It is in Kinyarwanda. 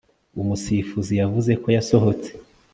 Umusifuzi yavuze ko yasohotse